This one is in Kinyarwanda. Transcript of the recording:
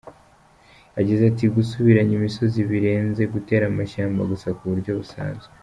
Yagize ati “Gusubiranya imisozi birenze gutera amashyamba gusa ku buryo busanzwe.